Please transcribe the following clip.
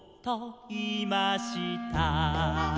「いいました」